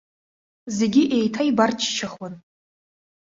Зегьы еиҭаибарччахуан.